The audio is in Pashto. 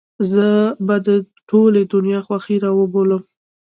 زه به د ټولې دنيا خوښۍ راوبولم.